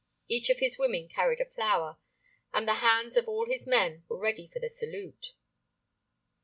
Each of his women carried a flower, and the hands of all his men were ready for the salute.